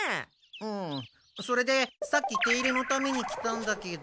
うんそれでさっき手入れのために来たんだけど。